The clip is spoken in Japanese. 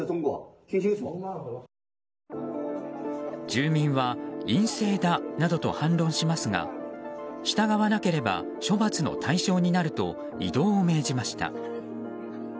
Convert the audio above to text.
住民は陰性だなどと反論しますが従わなければ処罰の対象になると移動を命じました。